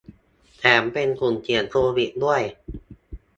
แถมเป็นกลุ่มเสี่ยงโควิดด้วย